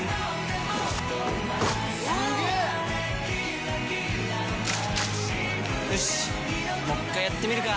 すげー‼よしっもう一回やってみるか！